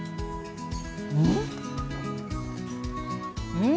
うん？